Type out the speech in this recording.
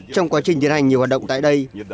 trong quá trình tiến hành nhiều hoạt động tại đây